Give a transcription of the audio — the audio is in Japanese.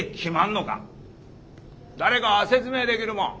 誰か説明できるもん。